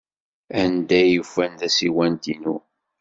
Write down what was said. Anda ay ufan tasiwant-inu?